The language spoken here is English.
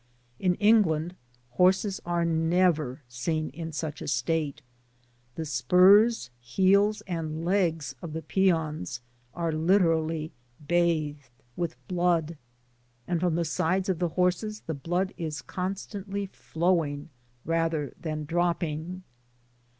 In England, horses are never seen in such a state ; the spurs, heels, and legs of the peons are literally bathed with blood, and {torn the sides of the horses the blood is Constantly flowing rath^ than dipping.